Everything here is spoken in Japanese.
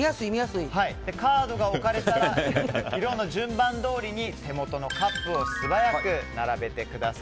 カードが置かれたら色の順番どおりに手元のカップを素早く並べてください。